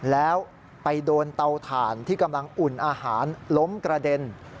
แล้วไปโดนเตาถ่านที่กำลังอุ่นอาหารล้มกระเด็น